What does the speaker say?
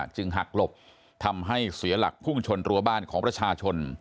หักหลบทำให้เสียหลักพุ่งชนรัวบ้านของประชาชน